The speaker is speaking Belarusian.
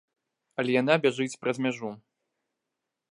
Але яна бяжыць праз мяжу.